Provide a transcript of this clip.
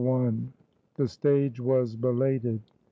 The stage was belated.